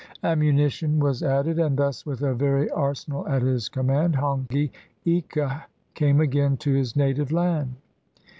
Ammunition was added, and thus, with a very arsenal at his command, Hongi Ika came again to his native land.